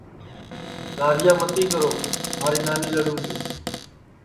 گاہرِیا متی کرو مھاری نانی لڑُوں گی